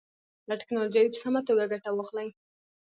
له ټکنالوژۍ په سمه توګه ګټه واخلئ.